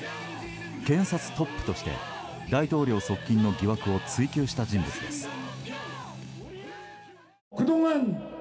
検察トップとして大統領側近の疑惑を追及した人物です。